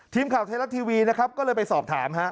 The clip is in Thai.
ทีมข่าวไทยรัฐทีวีนะครับก็เลยไปสอบถามฮะ